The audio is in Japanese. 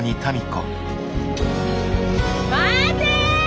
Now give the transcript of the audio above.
待て！